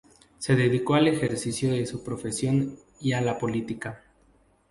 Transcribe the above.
Se dedicó al ejercicio de su profesión y a la política.